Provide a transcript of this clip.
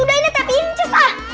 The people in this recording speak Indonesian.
udah ini tape inces ah